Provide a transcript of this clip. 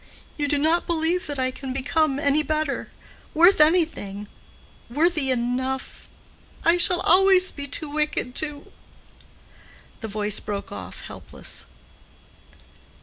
You do not believe that I can become any better—worth anything—worthy enough—I shall always be too wicked to—" The voice broke off helpless.